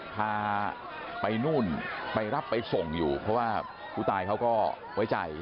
พาไปนู่นไปรับไปส่งอยู่เพราะว่าผู้ตายเขาก็ไว้ใจ